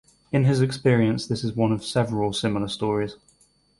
In his experience this is one of several similar stories.